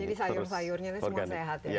jadi sayur sayurnya semua sehat ya